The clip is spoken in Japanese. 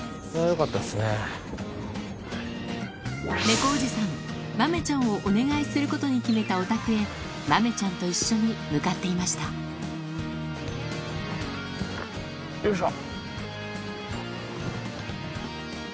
猫おじさん豆ちゃんをお願いすることに決めたお宅へ豆ちゃんと一緒に向かっていましたよいしょ。